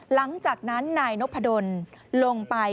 หลังจากนั้นนายนพดลลงไป